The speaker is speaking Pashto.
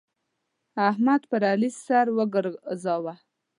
احمد پر علي سر وګرځاوو.